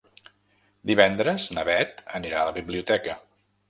Divendres na Bet anirà a la biblioteca.